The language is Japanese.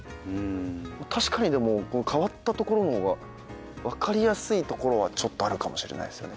確かに変わったところの方が分かりやすいところはあるかもしれないですよね